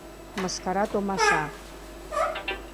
Мыскара томаша